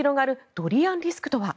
ドリアンリスクとは？